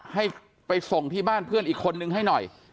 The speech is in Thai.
ให้ไปส่งที่บ้านเพื่อนอีกคนนึงให้หน่อย